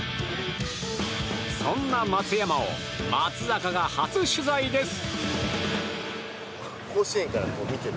そんな松山を松坂が初取材です。